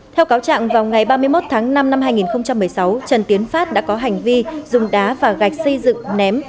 theo cáo trạng vào ngày ba mươi một tháng năm năm hai nghìn một mươi sáu trần tiến phát đã có hành vi dùng đá và gạch xây dựng ném